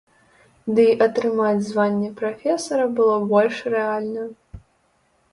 Дый атрымаць званне прафесара было больш рэальна.